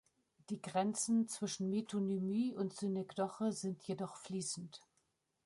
Die Grenzen zwischen Metonymie und Synekdoche sind jedoch fließend.